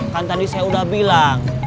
kan tadi saya sudah bilang